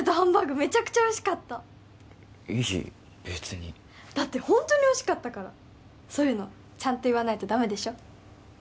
めちゃくちゃおいしかったいい別にだってホントにおいしかったからそういうのちゃんと言わないとダメでしょ？